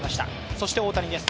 そして大谷です。